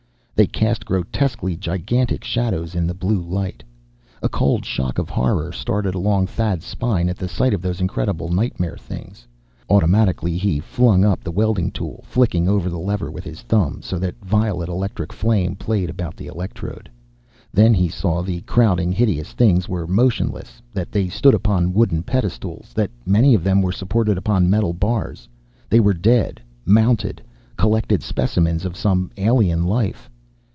They cast grotesquely gigantic shadows in the blue light.... A cold shock of horror started along Thad's spine, at sight of those incredible nightmare things. Automatically be flung up the welding tool, flicking over the lever with his thumb, so that violet electric flame played about the electrode. Then he saw that the crowding, hideous things were motionless, that they stood upon wooden pedestals, that many of them were supported upon metal bars. They were dead. Mounted. Collected specimens of some alien life.